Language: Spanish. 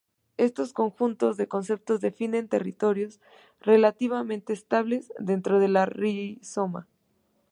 Estos conjuntos de conceptos definen territorios relativamente estables dentro del rizoma.